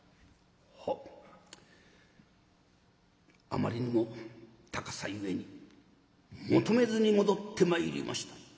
あまりにも高さゆえに求めずに戻ってまいりました」。